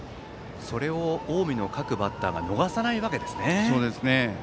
それを近江の各バッターが逃さないわけですね。